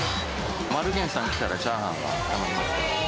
丸源さん来たら、チャーハンは頼みます。